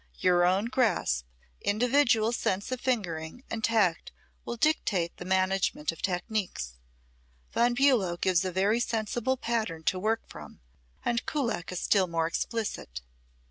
Your own grasp, individual sense of fingering and tact will dictate the management of technics. Von Bulow gives a very sensible pattern to work from, and Kullak is still more explicit.